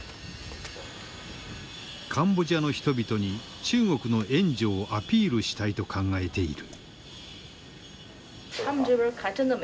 カンボジアの人々に中国の援助をアピールしたいと考えている。